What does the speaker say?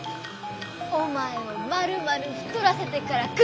「おまえをまるまるふとらせてからくってやる！